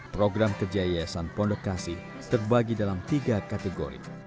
program kerja yayasan pondok kasih terbagi dalam tiga kategori